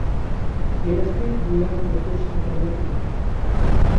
ئېنىقكى بۇ يەردىن ئۆتۈش خەتەرلىك ئىدى.